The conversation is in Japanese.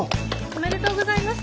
おめでとうございます！